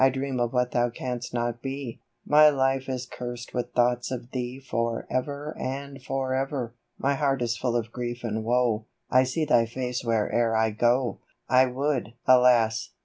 dream of what thou canst not be ; My life is curst with thoughts of thee For ever and for ever ! My heart is full of grief and woe, I see thy face where'er I go; I would, alas